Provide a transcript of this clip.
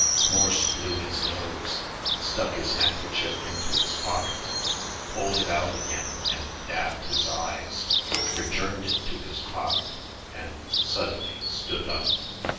Morse blew his nose, stuck his handkerchief into his pocket, pulled it out again and dabbed his eyes, returned it to his pocket, and suddenly stood up.